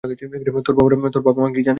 তোর বাবা-মা কি জানে?